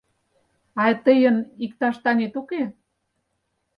А тыйын иктаж таҥет уке?